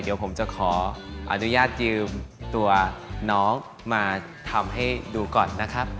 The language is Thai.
เดี๋ยวผมจะขออนุญาตยืมตัวน้องมาทำให้ดูก่อนนะครับ